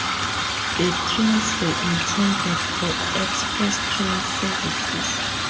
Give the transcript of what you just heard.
The trains were intended for express train services.